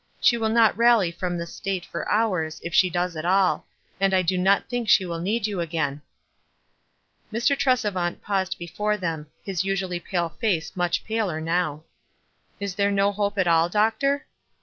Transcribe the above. She will not rally from this state for hours, if she does at nil ; and I do not think she will need you again." Mr. Tresevant paused before them — his usu ally pale face much paler now. "Is there no hope at all, doctor?"